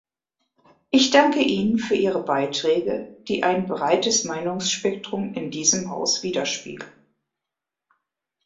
Ich danke Ihnen für Ihre Beiträge, die ein breites Meinungsspektrum in diesem Haus widerspiegeln.